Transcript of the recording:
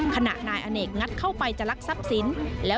ขนาดนายอเนกงัดเข้าไปที่ไพร่โบบายหัวอยู่เกี่ยวกันอีกครั้งแล้ว